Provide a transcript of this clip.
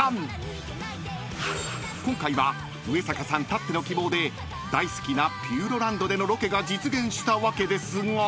［今回は上坂さんたっての希望で大好きなピューロランドでのロケが実現したわけですが］